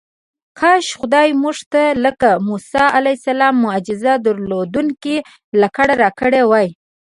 کاش خدای موږ ته لکه موسی علیه السلام معجزې درلودونکې لکړه راکړې وای.